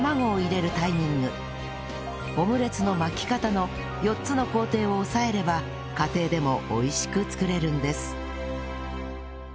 の４つの工程を押さえれば家庭でもおいしく作れるんです